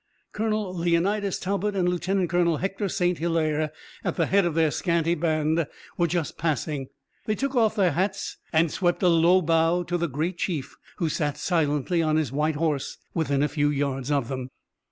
Colonel Leonidas Talbot and Lieutenant Colonel Hector St. Hilaire at the head of their scanty band were just passing. They took off their hats, and swept a low bow to the great chief who sat silently on his white horse within a few yards of them.